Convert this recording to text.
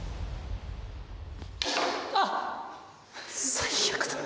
最悪だ。